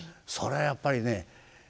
それはやっぱりね